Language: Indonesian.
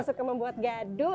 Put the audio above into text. suka membuat gaduh